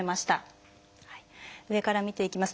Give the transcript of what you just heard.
上から見ていきます。